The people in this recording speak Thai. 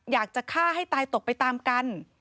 อยากจะฆ่าให้ตายตกไปตามกัน